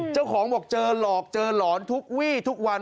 เจ้าของบอกเจอหลอกเจอหลอนทุกวี่ทุกวัน